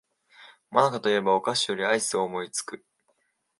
もなかと言えばお菓子よりアイスを思いつく